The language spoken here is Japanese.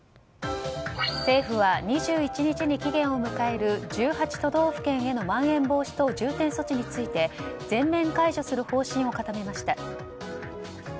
政府は２１日に期限を迎える１８都道府県へのまん延防止等重点措置について全面解除する方針を固めました。